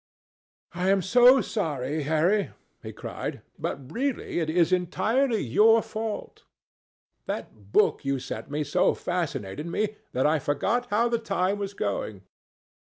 "I am so sorry, Harry," he cried, "but really it is entirely your fault. That book you sent me so fascinated me that I forgot how the time was going."